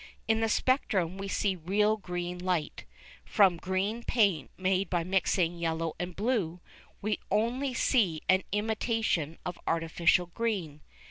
In the spectrum we see real green light; from green paint made by mixing yellow and blue, we only see an imitation or artificial green.